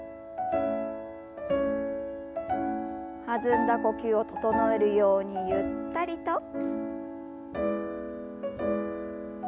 弾んだ呼吸を整えるようにゆったりと。